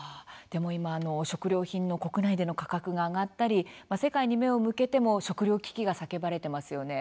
でも今食料品の国内での価格が上がったり世界に目を向けても食料危機が叫ばれてますよね。